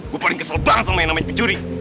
gue paling kesel banget sama yang namanya pencuri